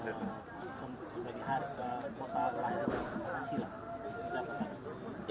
sebagai harga kota lainnya